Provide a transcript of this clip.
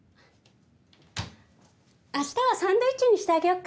明日はサンドイッチにしてあげよっか。